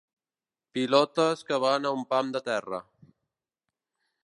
Pilotes que van a un pam de terra.